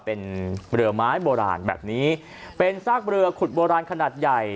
เป็นเรือไม้โบราณแบบนี้เป็นซากเรือขุดโบราณขนาดใหญ่